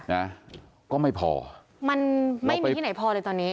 นะก็ไม่พอมันไม่มีที่ไหนพอเลยตอนนี้